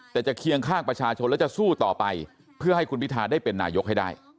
แต่จะเคียงข้างประชาชนแล้วจะสู้ต่อไปเพื่อให้คุณพิทาได้เป็นนายกให้ได้